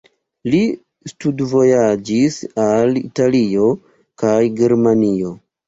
Li studvojaĝis al Italio kaj Germanio.